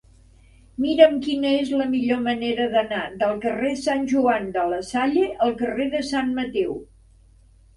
Mira'm quina és la millor manera d'anar del carrer de Sant Joan de la Salle al carrer de Sant Mateu.